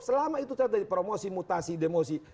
selama itu terjadi promosi mutasi demosi